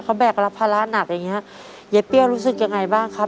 เขาแบกรับภาระหนักอย่างเงี้ยยายเปรี้ยวรู้สึกยังไงบ้างครับ